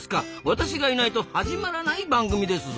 私がいないと始まらない番組ですぞ！